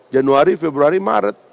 januari februari maret